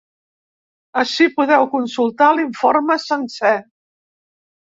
Ací podeu consultar l’informe sencer.